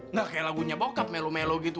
nggak kayak lagunya bokap melo melo gitu